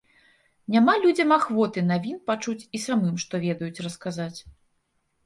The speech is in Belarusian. Няма людзям ахвоты навін пачуць і самым, што ведаюць, расказаць.